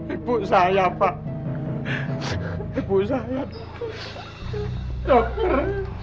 ibu saya pak ibu saya dokter